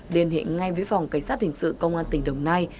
liên hệ ngay với phòng cảnh sát hình sự công an tỉnh đồng nai